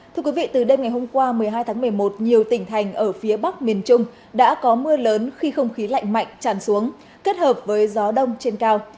thưa quý vị từ đêm ngày hôm qua một mươi hai tháng một mươi một nhiều tỉnh thành ở phía bắc miền trung đã có mưa lớn khi không khí lạnh mạnh tràn xuống kết hợp với gió đông trên cao